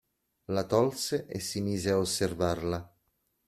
La tolse e si mise a osservarla.